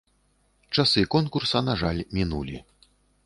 Часы конкурса, на жаль, мінулі.